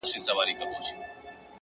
د فکر نظم د ژوند نظم جوړوي!.